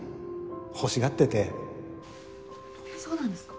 欲しがっててえそうなんですか？